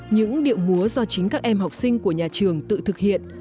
những điệu múa do chính các em học sinh của nhà trường tự thực hiện